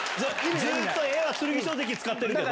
ずっと画は剣翔関使ってるけど。